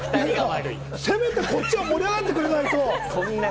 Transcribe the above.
せめて、こちら盛り上がってくれないと！